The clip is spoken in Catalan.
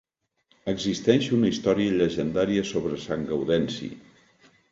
Existeix una història llegendària sobre Sant Gaudenci.